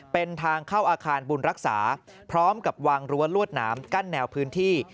เป็นทางเข้าอาคารบุญรักษาพร้อมกับวางรั้วลวดหนามกั้นแนวพื้นที่